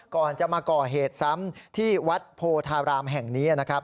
ก่อนจะมาก่อเหตุซ้ำที่วัดโพธารามแห่งนี้นะครับ